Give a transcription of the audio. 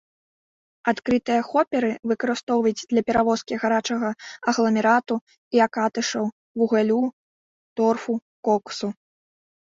Адкрытыя хоперы выкарыстоўваюць для перавозкі гарачага агламерату і акатышаў, вугалю, торфу, коксу.